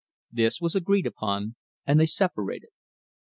This was agreed upon, and they separated.